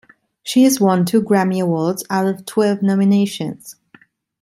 She has won two Grammy Awards out of twelve nominations.